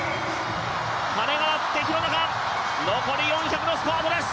鐘が鳴って、廣中残り４００のスパートです！